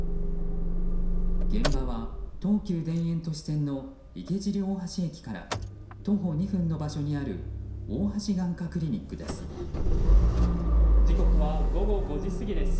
現場は東急田園都市線の池尻大橋駅から徒歩２分の場所にある大橋眼科クリニックです。